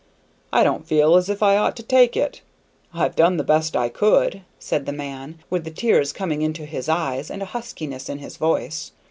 I don't feel as if I ought to take it. I've done the best I could," said the man, with the tears coming into his eyes, and a huskiness in his voice.